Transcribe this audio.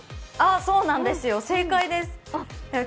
そうなんですよ、正解です。